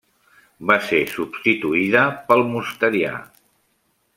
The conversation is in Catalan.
Va ser substituïda pel mosterià.